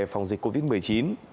phòng dịch covid một mươi chín